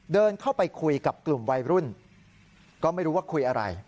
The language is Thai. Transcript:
เดินเข้าไปคุยกับกลุ่มวัยรุ่นก็ไม่รู้ว่าคุยอะไร